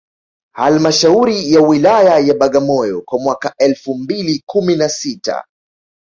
Halmashauri ya Wilaya ya Bagamoyo kwa mwaka elfu mbili kumi na sita